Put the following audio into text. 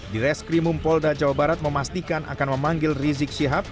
di reskrimum polda jawa barat memastikan akan memanggil rizik syihab